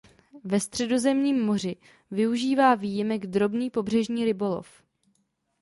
Ve Středozemním moři využívá výjimek drobný pobřežní rybolov.